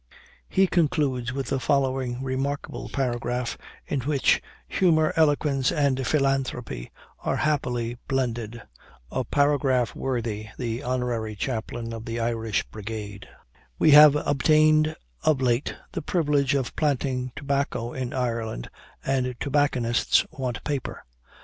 He concludes with the following remarkable paragraph, in which humor, eloquence, and philanthropy, are happily blended a paragraph worthy the Honorary Chaplain of the Irish Brigade; "We have obtained of late the privilege of planting tobacco in Ireland, and tobacconists want paper.